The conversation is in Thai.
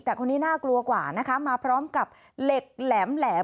แต่คนนี้น่ากลัวกว่านะคะมาพร้อมกับเหล็กแหลม